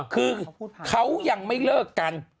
คือเขายังไม่เลิกกัน